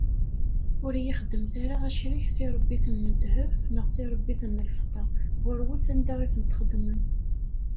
Ur iyi-xeddmet ara acrik s iṛebbiten n ddheb, neɣ s iṛebbiten n lfeṭṭa, ɣur-wat anda i ten-txeddmem.